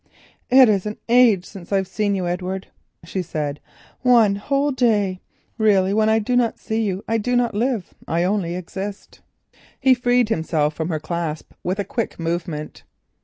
"It is an age since I have seen you, Edward," she said, "one whole day. Really, when I do not see you, I do not live, I only exist." He freed himself from her clasp with a quick movement.